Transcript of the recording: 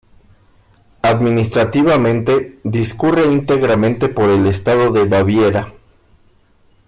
Administrativamente, discurre íntegramente por el estado de Baviera.